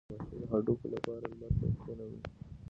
د ماشوم د هډوکو لپاره لمر ته کینوئ